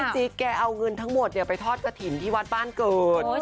ไม่ได้จิ๊กแกเอาเงินทั้งหมดไปทอดกฐินที่วัดบ้านเกิด